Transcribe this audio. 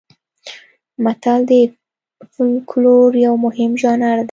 متل د فولکلور یو مهم ژانر دی